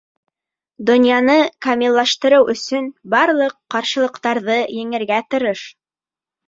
Донъяны камиллаштырыу өсөн барлыҡ ҡаршылыҡтарҙы еңергә тырыш!